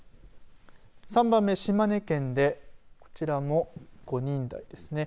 ３番目、島根県でこちらも５人台ですね。